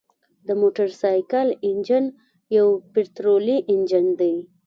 د موټرسایکل انجن یو پطرولي انجن دی.